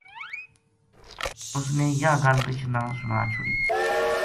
اُس نے یاہ گل رچھ نا سُنا چھُڑی